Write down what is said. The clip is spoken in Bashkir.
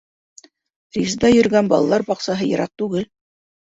Резеда йөрөгән балалар баҡсаһы йыраҡ түгел.